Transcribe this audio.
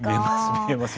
見えます。